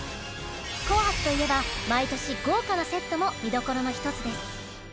「紅白」といえば毎年豪華なセットも見どころの１つです。